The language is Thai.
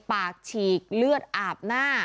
ปากฉีกเลือดอาบหน้า